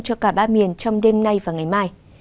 cho cả ba miền trong đêm nay và ngày mai